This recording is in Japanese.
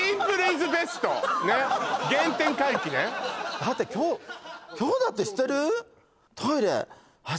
原点回帰ねだって今日今日だって知ってる？